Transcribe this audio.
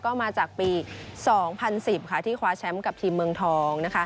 ก็มาจากปี๒๐๑๐ที่คว้าแชมป์กับทีมเมืองทอง